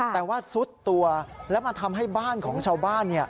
แต่ว่าซุดตัวแล้วมาทำให้บ้านของชาวบ้าน